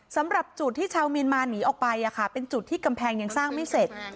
สำหรับจุดที่ชาวเมียนมาหนีออกไปเป็นจุดที่กำแพงยังสร้างไม่เสร็จ